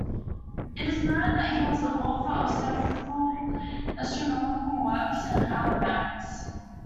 It is known that he was the author of several astronomical works and almanacs.